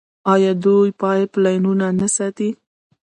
آیا دوی پایپ لاینونه نه ساتي؟